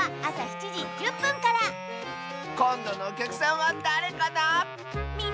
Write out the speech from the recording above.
こんどのおきゃくさんはだれかな？